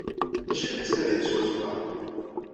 D acu ay la nettnadim swaswa?